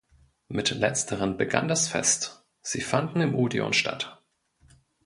Mit letzteren begann das Fest; sie fanden im Odeon statt.